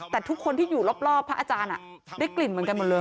แต่ทุกคนที่อยู่รอบพระอาจารย์ได้กลิ่นเหมือนกันหมดเลย